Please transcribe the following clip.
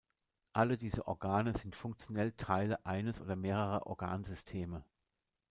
Alle diese Organe sind funktionell Teile eines oder mehrerer Organsysteme.